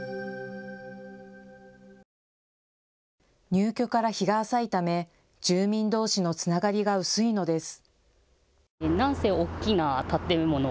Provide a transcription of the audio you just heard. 入居から日が浅いため住民どうしのつながりが薄いのです。